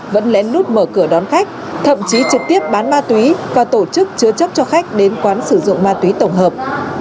vẫn lén lút mở cửa đón khách thậm chí trực tiếp bán ma túy và tổ chức chứa chấp cho khách đến quán sử dụng ma túy tổng hợp